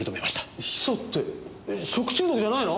ヒ素って食中毒じゃないの？